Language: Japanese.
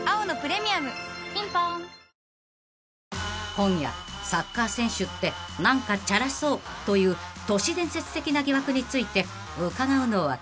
［今夜サッカー選手ってなんかチャラそう？という都市伝説的な疑惑について伺うのは］